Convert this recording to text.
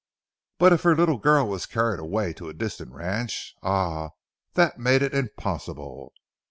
But if her little girl was carried away to a distant ranch—ah! that made it impossible!